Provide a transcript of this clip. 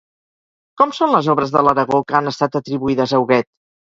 Com són les obres de l'Aragó que han estat atribuïdes a Huguet?